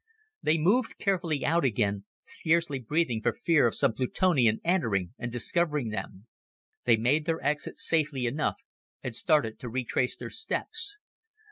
They moved carefully out again, scarcely breathing for fear of some Plutonian entering and discovering them. They made their exit safely enough and started to retrace their steps.